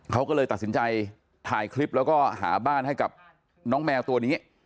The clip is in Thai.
เขาก็เลยตัดสินใจถ่ายคลิปแล้วก็หาบ้านให้กับน้องแมวตัวนี้